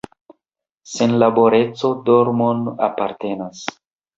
Senlaboreco dormon alportas.